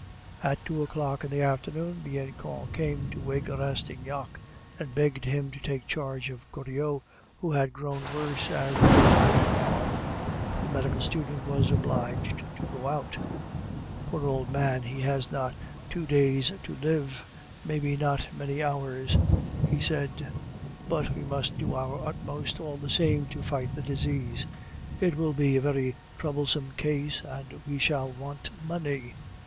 At two o'clock in the afternoon Bianchon came to wake Rastignac, and begged him to take charge of Goriot, who had grown worse as the day wore on. The medical student was obliged to go out. "Poor old man, he has not two days to live, maybe not many hours," he said; "but we must do our utmost, all the same, to fight the disease. It will be a very troublesome case, and we shall want money.